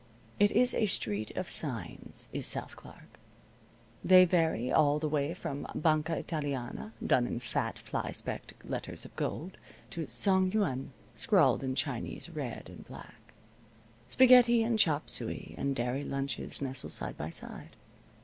It is a street of signs, is South Clark. They vary all the way from "Banca Italiana" done in fat, fly specked letters of gold, to "Sang Yuen" scrawled in Chinese red and black. Spaghetti and chop suey and dairy lunches nestle side by side.